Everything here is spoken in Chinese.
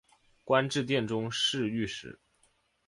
官至殿中侍御史。